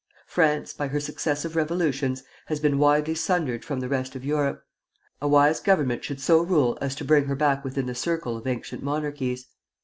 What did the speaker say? France, by her successive revolutions, has been widely sundered from the rest of Europe. A wise Government should so rule as to bring her back within the circle of ancient monarchies.